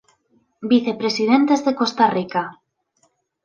Vicepresidentes de Costa Rica